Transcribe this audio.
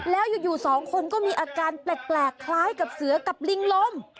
แล้วอยู่สองคนก็มีอาการแปลกคล้ายกับเสือกับลิงลม